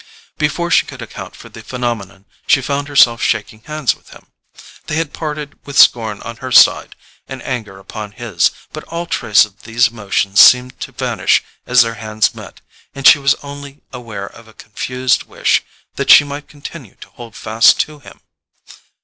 Before she could account for the phenomenon she found herself shaking hands with him. They had parted with scorn on her side and anger upon his; but all trace of these emotions seemed to vanish as their hands met, and she was only aware of a confused wish that she might continue to hold fast to him.